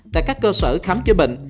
tại các cơ sở khám chữa bệnh